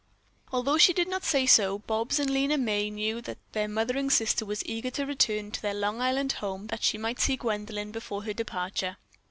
Although she did not say so, Bobs and Lena May knew that their mothering sister was eager to return to their Long Island home that she might see Gwendolyn before her departure.